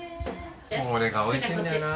これがおいしいんだよなぁ